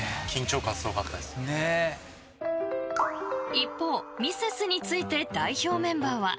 一方、ミセスについて代表メンバーは。